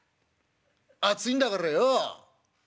熱いんだからよう。